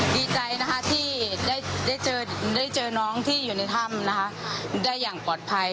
ดีใจนะคะที่ได้เจอน้องที่อยู่ในถ้ำนะคะได้อย่างปลอดภัย